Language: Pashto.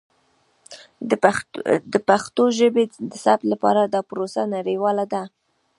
د پښتو ژبې د ثبت لپاره دا پروسه نړیواله ده.